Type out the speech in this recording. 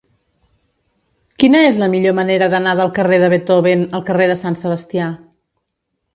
Quina és la millor manera d'anar del carrer de Beethoven al carrer de Sant Sebastià?